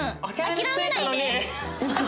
諦めないで！